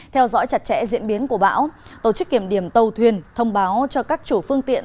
theo dõi chặt chẽ diễn biến của bão tổ chức kiểm điểm tàu thuyền thông báo cho các chủ phương tiện